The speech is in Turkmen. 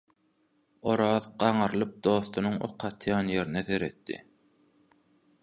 Oraz gaňrylyp dostunyň ok atýan ýerine seretdi.